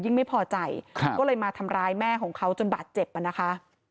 ไม่พอใจก็เลยมาทำร้ายแม่ของเขาจนบาดเจ็บอ่ะนะคะ